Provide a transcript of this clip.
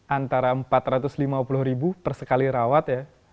antara empat ratus lima puluh ribu per sekali rawat ya